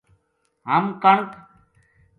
ہم کنک